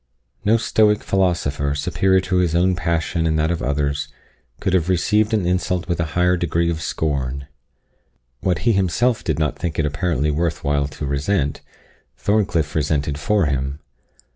No Stoic philosopher, superior to his own passion and that of others, could have received an insult with a higher degree of scorn. What he himself did not think it apparently worth while to resent, Thorncliff resented for him.